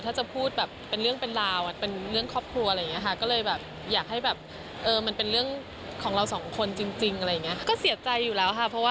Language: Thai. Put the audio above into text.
ถ้าจะพูดแบบเป็นเรื่องเป็นราว